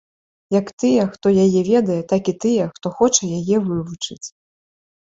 Як тыя, хто яе ведае, так і тыя, хто хоча яе вывучыць.